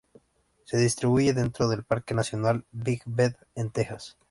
Se distribuye dentro del Parque Nacional Big Bend en Texas.